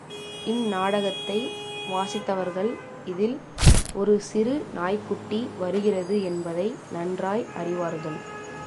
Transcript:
இந்நாடகத்தை வாசித்தவர்கள் இதில் ஒரு சிறு நாய்க்குட்டி வருகிறது என்பதை நன்றாய் அறிவார்கள்.